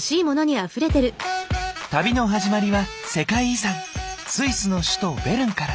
旅の始まりは世界遺産スイスの首都ベルンから。